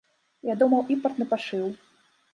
Я думаў, імпартны пашыў.